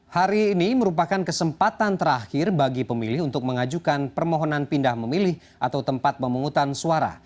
hari ini merupakan kesempatan terakhir bagi pemilih untuk mengajukan permohonan pindah memilih atau tempat pemungutan suara